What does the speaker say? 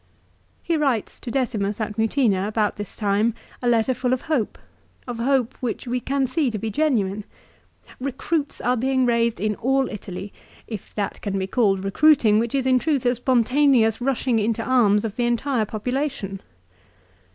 He writes to Decimus at Mutina about this time a letter full of hope, of hope which we can see to be genuine. " Eecruits are being raised in all Italy, if that can be called recruiting which is in truth a spontaneous rushing into arms of the entire population."